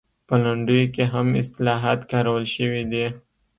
په لنډیو کې هم اصطلاحات کارول شوي دي